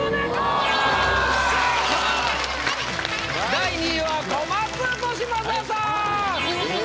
第２位は小松利昌さん。